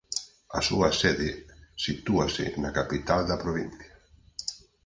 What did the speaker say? A súa sede sitúase na capital da provincia.